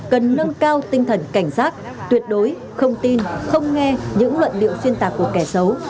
cần nâng cao tinh thần cảnh giác tuyệt đối không tin không nghe những luận điệu xuyên tạc của kẻ xấu